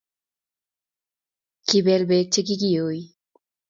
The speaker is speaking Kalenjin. kibel beek che kikiyoi.